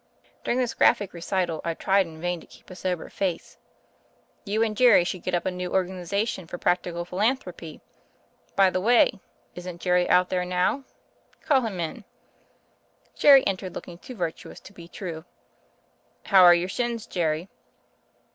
During tnis graphic recital, I tried in vain to keep a sober face. 'You and Jerry should get up a new organi zation for practical philanthropy. — By the way, isn't Jerfy out there now? Call him in." Jerry entered looking too virtuous to be true. "How are your shins, Jerry?"